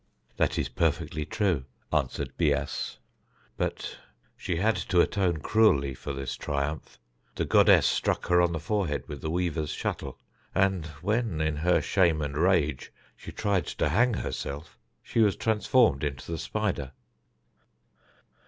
"That is perfectly true," answered Bias, "but she had to atone cruelly for this triumph; the goddess struck her on the forehead with the weaver's shuttle, and when, in her shame and rage, she tried to hang herself, she was transformed into the spider."